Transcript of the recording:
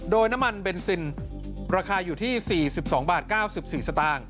โดยน้ำมันเบนซินราคาอยู่ที่๔๒บาท๙๔สตางค์